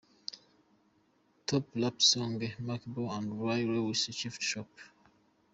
Top Rap Song: Macklemore & Ryan Lewis "Thrift Shop".